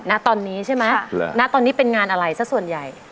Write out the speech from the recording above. ณตอนนี้ใช่ไหมณตอนนี้เป็นงานอะไรสักส่วนใหญ่